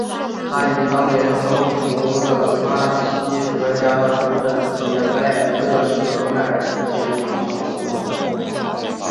他于当年彻底征服了拉希德家族的杰拜勒舍迈尔酋长国。